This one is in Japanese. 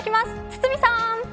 堤さん。